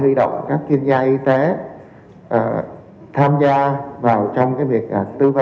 tham gia vào trong cái việc tham gia vào trong cái việc tham gia vào trong cái việc tham gia vào trong cái việc